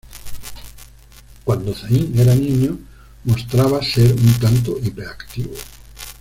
Cuando Zayn era niño, mostraba ser un tanto hiperactivo.